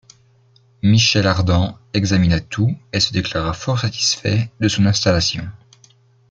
Michel Ardan examina tout et se déclara fort satisfait de son installation.